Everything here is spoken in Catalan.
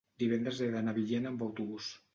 Divendres he d'anar a Villena amb autobús.